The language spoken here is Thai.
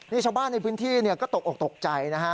นี่ชาวบ้านในพื้นที่ก็ตกออกตกใจนะฮะ